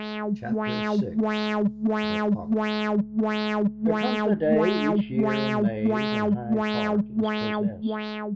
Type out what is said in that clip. CHAPTER VI THE PARK There comes a day each year in May when Hyde Park is possessed.